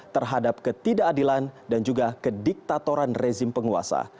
terhadap ketidakadilan dan juga kediktatoran rezim penguasa